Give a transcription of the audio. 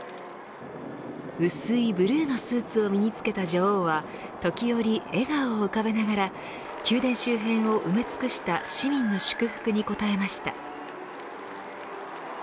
薄いブルーのスーツを身に着けた女王は時折、笑顔を浮かべながら宮殿周辺を埋め尽くした市民の祝福に応えました。